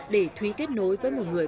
để thúy kết nối với một người